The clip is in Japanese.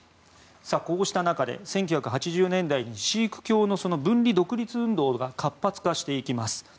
こうした中で１９８０年代にシーク教の分離独立運動が活発化していきます。